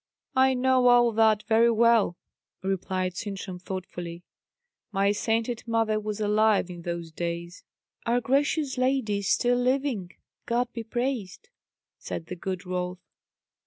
"I know all that very well," replied Sintram thoughtfully. "My sainted mother was alive in those days." "Our gracious lady is still living, God be praised," said the good Rolf.